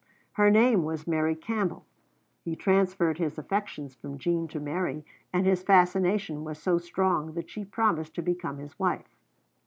Her name was Mary Campbell. He transferred his affections from Jean to Mary, and his fascination was so strong that she promised to become his wife.